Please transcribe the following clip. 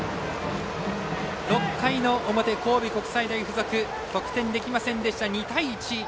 ６回の表、神戸国際大付属得点できませんでした、２対１。